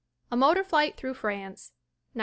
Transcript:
A Motor Flight Through France, 1908.